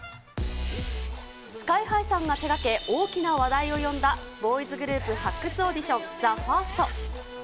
スカイハイさんが手がけ、大きな話題を呼んだボーイズグループ発掘オーディション、ＴＨＥＦＩＲＳＴ。